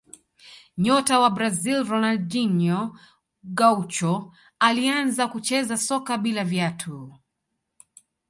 nyota wa brazil ronaldinho gaucho alianza kucheza soka bila viatu